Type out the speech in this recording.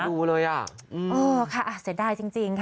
อยากดูเลยอ่ะอืมอ๋อค่ะอ่ะเสียดายจริงจริงค่ะ